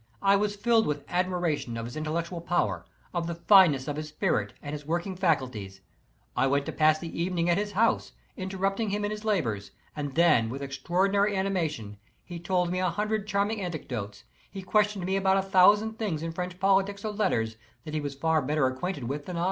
I was filled with admiration of his intellectual power, of the fineness of his spirit, and his working faculties. I went to pass the even ing at his house, interrupting him in his labors, and then with extraordinary animation he told me a hundred charm ing anecdotes, he questioned me about a thousand things in French politics or letters that he was far better acquainted with than I.